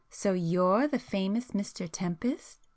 "So you're the famous Mr Tempest?"